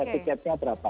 harga tiketnya berapa